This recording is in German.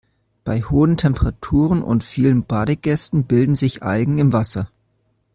Bei hohen Temperaturen und vielen Badegästen bilden sich Algen im Wasser.